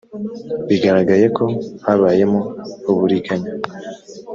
bigaragaye ko habayemo uburiganya